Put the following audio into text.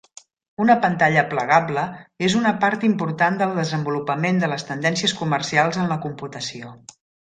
Una pantalla plegable és una part important del desenvolupament de les tendències comercials en la computació.